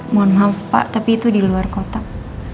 mohon maaf pak tapi itu di luar kotak